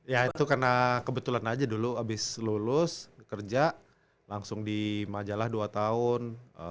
ya itu karena kebetulan aja dulu abis lulus kerja langsung di majalah dua tahun